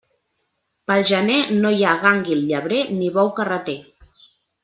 Pel gener no hi ha gànguil llebrer ni bou carreter.